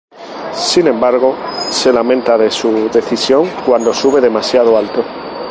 Sin embargo, se lamenta de su decisión cuando sube demasiado alto.